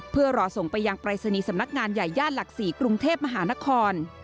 เพื่อรอส่งไปยังปรายศนีย์สำนักงานใหญ่ย่านหลัก๔กรุงเทพมหานคร